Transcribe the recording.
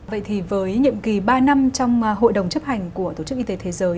vậy thì với nhiệm kỳ ba năm trong hội đồng chấp hành của tổ chức y tế thế giới